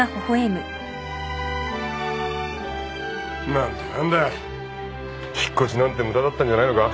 何だ何だ引っ越しなんて無駄だったんじゃないのか？